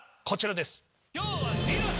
こちらです。